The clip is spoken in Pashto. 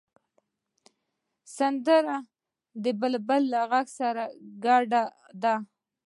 سندره د بلبله له غږ سره ګډه ده